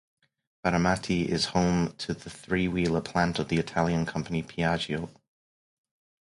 Baramati is home to the three-wheeler plant of the Italian company Piaggio.